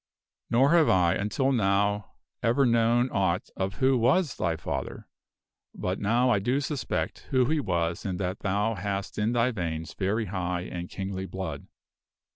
" Nor have I until now ever known aught of who was thy father; but now I do suspect who he was and that thou hast in thy veins very high and kingly blood.